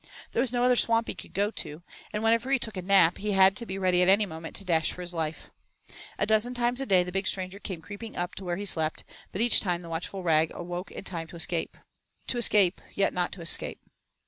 There was no other swamp he could go to, and whenever he took a nap now he had to be ready at any moment to dash for his life. A dozen times a day the big stranger came creeping up to where he slept, but each time the watchful Rag awoke in time to escape. To escape yet not to escape.